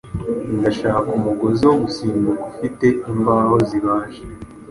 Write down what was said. Ndashaka umugozi wo gusimbuka ufite imbaho zibaje.